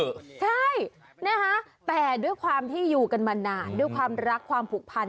ใช่นะคะแต่ด้วยความที่อยู่กันมานานด้วยความรักความผูกพัน